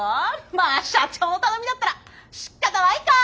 まあ社長の頼みだったらしかたないか。